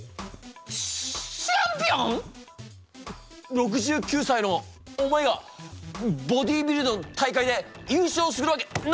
６９歳のお前がボディービルの大会で優勝するわけないだろ！